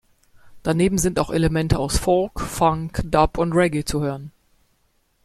Daneben sind auch Elemente aus Folk, Funk, Dub und Reggae zu hören.